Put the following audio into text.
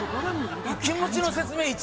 気持ちの説明